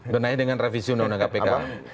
benahi dengan revisi undang undang kpk